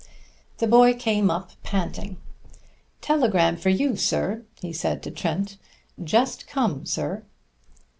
The boy came up panting. "Telegram for you, sir," he said to Trent. "Just come, sir."